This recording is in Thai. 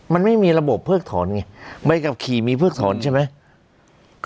มันไม่มีระบบเพิกถอนไงใบขับขี่มีเพิกถอนใช่ไหม